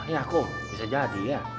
ya kok bisa jadi ya